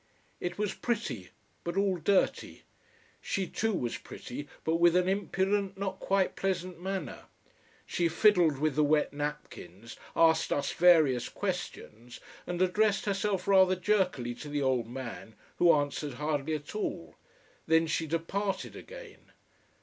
It was pretty but all dirty. She too was pretty, but with an impudent, not quite pleasant manner. She fiddled with the wet napkins, asked us various questions, and addressed herself rather jerkily to the old man, who answered hardly at all Then she departed again.